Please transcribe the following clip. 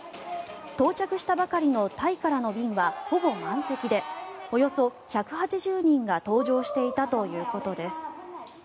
到着したばかりのタイからの便はほぼ満席でおよそ１８０人が搭乗していたということです。